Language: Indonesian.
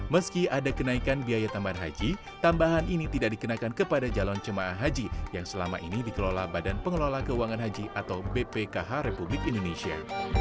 meski ada kenaikan biaya tambahan haji tambahan ini tidak dikenakan kepada calon jemaah haji yang selama ini dikelola badan pengelola keuangan haji atau bpkh republik indonesia